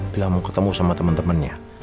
bila mau ketemu sama temen temennya